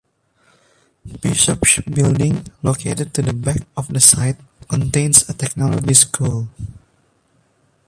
Bishops Building, located to the back of the site, contains a technology school.